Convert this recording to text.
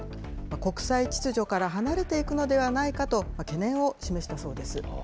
国際秩序から離れていくのではないかと、懸念を示したそうです。